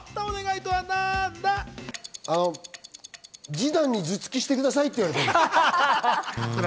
ジダンに頭突きしてくださいって言われた。